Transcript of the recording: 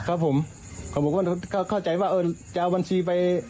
ครับผมเขาบอกว่าเข้าใจว่าเออจะเอาบัญชีไป